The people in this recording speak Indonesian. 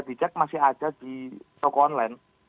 di cek masih ada di toko online